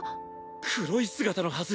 黒い姿のはず。